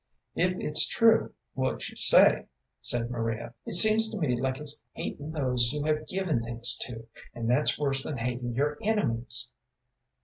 "If it's true, what you say," said Maria, "it seems to me it's like hating those you have given things to, and that's worse than hating your enemies."